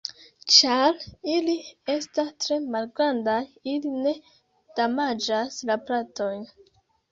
Ĉar ili esta tre malgrandaj ili ne damaĝas la plantojn.